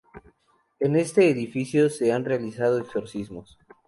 En este edificio se han realizado exorcismos.